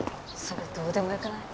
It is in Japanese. それどうでもよくない？